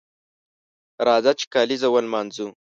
راځه چې کالیزه ونمانځو